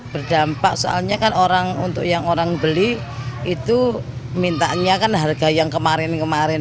berdampak soalnya kan orang untuk yang orang beli itu mintanya kan harga yang kemarin kemarin